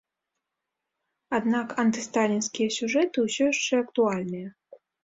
Аднак антысталінскія сюжэты ўсё яшчэ актуальныя.